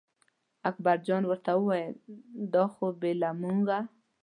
اکبرجان ورته وویل دا خو بې له مونږه.